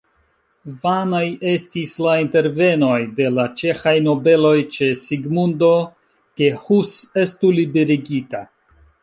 Vanaj estis la intervenoj de la ĉeĥaj nobeloj ĉe Sigmundo, ke Hus estu liberigita.